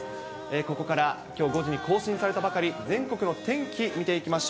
ここからきょう５時に更新されたばかり、全国の天気、見ていきましょう。